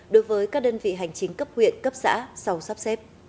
đối với các đơn vị hành chính cấp huyện cấp xã sau sắp xếp